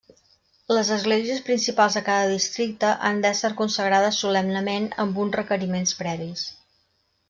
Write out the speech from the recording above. Les esglésies principals de cada districte han d'ésser consagrades solemnement, amb uns requeriments previs.